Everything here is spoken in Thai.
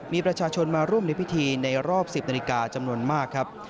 มีประชาชนมาร่วมในพิธีในรอบ๑๐นาฬิกาจำนวนมากครับ